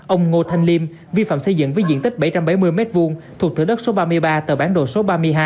ông ngô thanh liêm vi phạm xây dựng với diện tích bảy trăm bảy mươi m hai thuộc thửa đất số ba mươi ba tờ bản đồ số ba mươi hai